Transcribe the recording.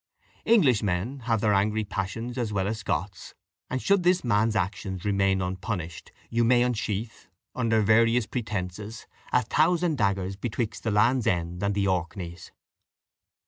Englishmen have their angry passions as well as Scots; and should this man's action remain unpunished, you may unsheath, under various pretences, a thousand daggers betwixt the Land's End and the Orkneys."